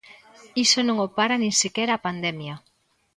Iso non o para nin sequera a pandemia.